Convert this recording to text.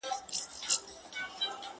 o خو زړې کيسې ژوندۍ پاتې دي,